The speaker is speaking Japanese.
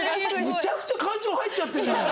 めちゃくちゃ感情入っちゃってるじゃない！